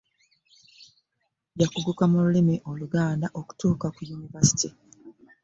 Yakugguka mu lulimi oluganda okutuuka ku Yunivasite